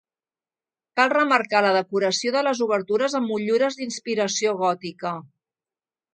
Cal remarcar la decoració de les obertures, amb motllures d'inspiració gòtica.